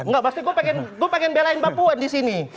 enggak maksudnya gue pengen belain bu puan di sini